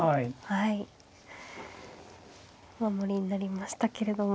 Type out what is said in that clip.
守りになりましたけれども。